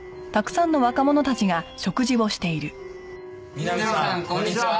美波さんこんにちは。